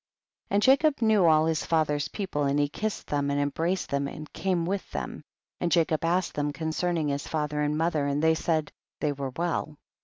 73. And Jacob knew all his fath er's people, and he kissed them and embraced them and came with them, and Jacob asked them concerning his father and mother, and they said, they were well.